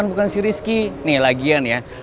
please bangun ya